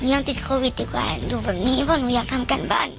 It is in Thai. ติดโควิดดีกว่าอยู่แบบนี้เพราะหนูอยากทำการบ้าน